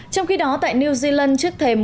trong khi đó tại new zealand trước thêm